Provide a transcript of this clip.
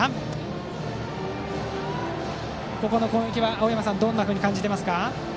この攻撃は青山さんどんなふうに感じていますか。